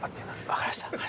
分かりました。